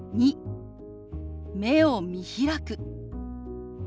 ２目を見開く。